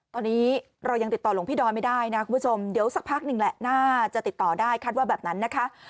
ตอนนี้เรายังติดต่อหลวงพี่ดอยไม่ได้นะคุณผู้ชมเดี๋ยวสักพักหนึ่งแหละน่าจะติดต่อได้คาดว่าแบบนั้นนะคะ